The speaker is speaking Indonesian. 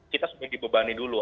kita sudah dibebani dulu